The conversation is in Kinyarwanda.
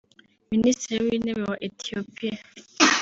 Minisitiri w’intebe wa Ethiopia